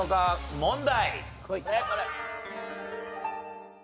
問題。